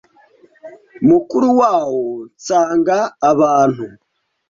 mukuru wawo nsanga abantu